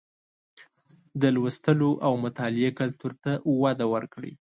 د لوستلو او مطالعې کلتور ته وده ورکړئ